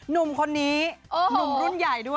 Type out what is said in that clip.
หนุ่มคนนี้หนุ่มรุ่นใหญ่ด้วย